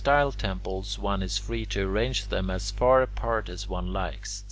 In araeostyle temples one is free to arrange them as far apart as one likes.